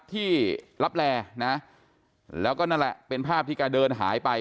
ที่รับแลนะแล้วก็นั่นแหละเป็นภาพที่แกเดินหายไป